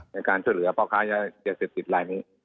ในการเนื้อช่วยป้องกายเครียสิทธิ์กิจรายนิ้ว